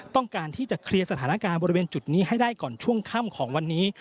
ต้องการที่จะเคลียร์สถานการณ์บริเวณจุดนี้ให้ได้ก่อนช่วงค่ำของวันนี้